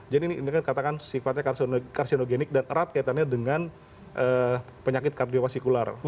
jadi ini katakan sifatnya karsinogenik dan erat kaitannya dengan penyakit kardiopasikular